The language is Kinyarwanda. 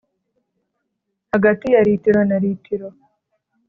Hagati ya litiro na litiro